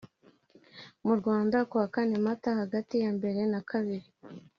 mu Rwanda kuwa kane Mata hagati yambere na kabiri